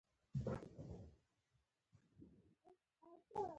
قلم د تعلیم هنداره ده